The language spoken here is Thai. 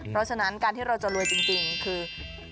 เพราะฉะนั้นการที่เราจะรวยจริงคือ